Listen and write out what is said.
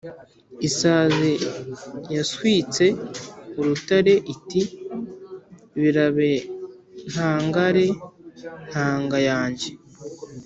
isazi yaswitse urutare i ti « birabe ntangare ntanga yan)ye »